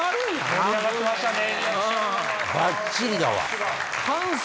盛り上がりましたね。